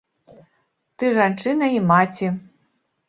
Ты жанчына і маці.